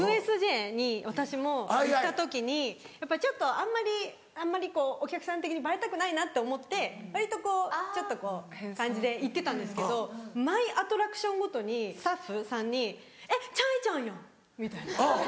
ＵＳＪに私も行った時にやっぱちょっとあんまりこうお客さん的にバレたくないなって思って割とちょっとこう感じで行ってたんですけど毎アトラクションごとにスタッフさんに「えっｃｈａｙちゃんやん」みたいな。